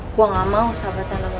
gua gamau sahabat anak lo